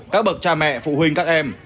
các bậc cha mẹ phụ huynh các em